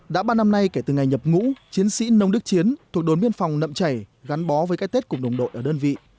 đã ba năm nay kể từ ngày nhập ngũ chiến sĩ nông đức chiến thuộc đồn biên phòng nậm chảy gắn bó với cái tết cùng đồng đội ở đơn vị